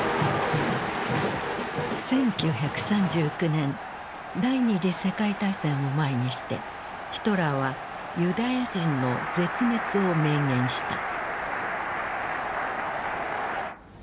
１９３９年第２次世界大戦を前にしてヒトラーはユダヤ人の絶滅を明言した。